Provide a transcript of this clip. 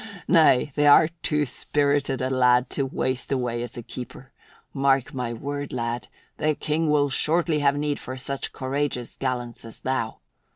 Nay, th' art too spirited a lad to waste away as keeper. Mark my word, lad, the King will shortly have need for such courageous gallants as thou.